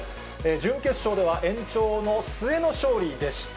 準決勝では延長の末での勝利でした。